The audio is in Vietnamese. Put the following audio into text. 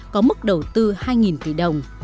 có mức đầu tư hai tỷ đồng